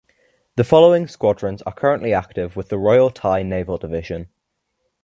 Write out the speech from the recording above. The following squadrons are currently active with the Royal Thai Naval Division.